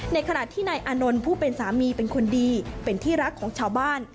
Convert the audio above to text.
ขณะที่นายอานนท์ผู้เป็นสามีเป็นคนดีเป็นที่รักของชาวบ้าน